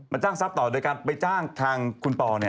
จ้างทรัพย์ต่อโดยการไปจ้างทางคุณปอ